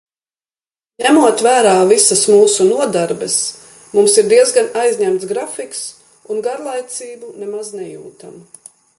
Ņemot vērā visas mūsu nodarbes, mums ir diezgan aizņemts grafiks un garlaicību nemaz nejūtam.